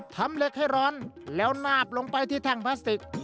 ทำเหล็กให้ร้อนแล้วนาบลงไปที่แท่งพลาสติก